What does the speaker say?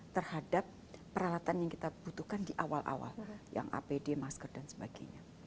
terhadap peralatan yang kita butuhkan di awal awal yang apd masker dan sebagainya